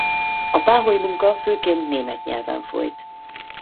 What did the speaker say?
A páholy-munka főként német nyelven folyt.